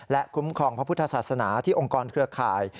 และคุ้มครองพระพุทธศาสนาที่องค์กรเครือข่าย